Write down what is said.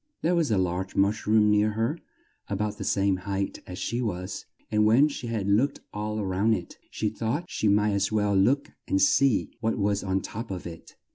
There was a large mush room near her, a bout the same height as she was, and when she had looked all round it, she thought she might as well look and see what was on the top of it.